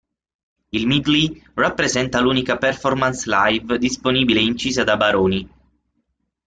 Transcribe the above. Il medley rappresenta l'unica performance live disponibile incisa da Baroni.